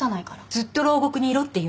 ずっと牢獄にいろっていうの？